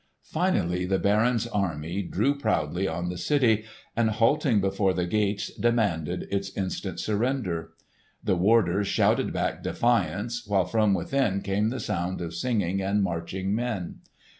Finally the barons' army drew proudly on the city, and halting before the gates demanded its instant surrender. The warders shouted back defiance, while from within came the sound of singing and marching men.